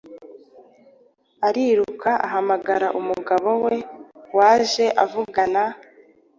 Ariruka ahamagara umugabo we, waje avugana.